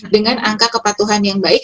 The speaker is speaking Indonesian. dengan angka kepatuhan yang baik